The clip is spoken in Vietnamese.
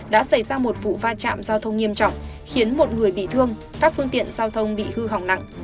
đã xảy ra một vụ va chạm giao thông nghiêm trọng khiến một người bị thương các phương tiện giao thông bị hư hỏng nặng